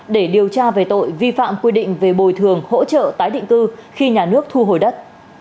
để điều tra về tội vi phạm quy định về bồi thường hỗ trợ tái định cư khi nhà nước thu hồi đất